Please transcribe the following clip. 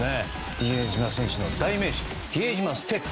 比江島選手の代名詞比江島ステップ。